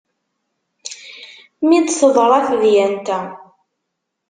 Mi d-teḍra tedyant-a.